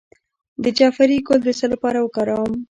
د جعفری ګل د څه لپاره وکاروم؟